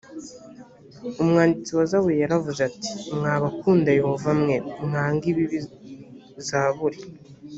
umwanditsi wa zaburi yaravuze ati mwa bakunda yehova mwe mwange ibibi zaburi